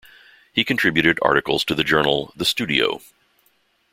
He contributed articles to the journal The Studio.